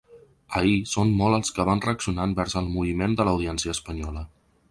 Ahir són molt els que van reaccionar envers el moviment de l’audiència espanyola.